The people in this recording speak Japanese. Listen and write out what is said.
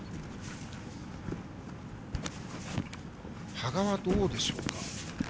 羽賀は、どうでしょうか。